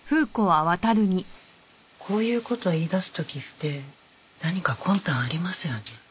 こういう事言い出す時って何か魂胆ありますよね？